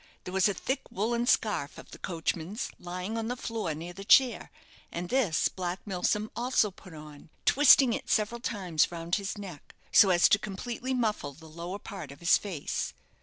There was a thick woollen scarf of the coachman's lying on the floor near the chair, and this Black Milsom also put on, twisting it several times round his neck, so as to completely muffle the lower part of his face.